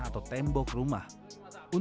satu tabung satu minggu